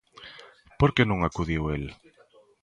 ¿Por que non acudiu el?